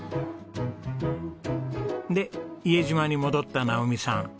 で伊江島に戻った直己さん。